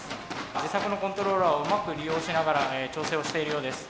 自作のコントローラーをうまく利用しながら調整をしているようです。